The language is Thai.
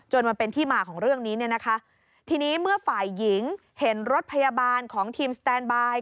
มันเป็นที่มาของเรื่องนี้เนี่ยนะคะทีนี้เมื่อฝ่ายหญิงเห็นรถพยาบาลของทีมสแตนบาย